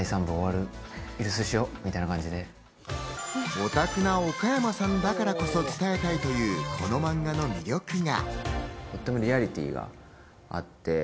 オタクな岡山さんだからこそ伝えたいという、この漫画の魅力は。